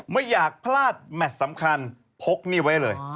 ไม่อยากพลาดแมทสำคัญพกนี่ไว้เลย